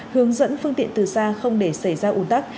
hướng dẫn phương tiện từ xa không để xảy ra ủn tắc